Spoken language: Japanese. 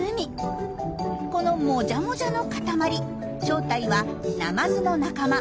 このもじゃもじゃの塊正体はナマズの仲間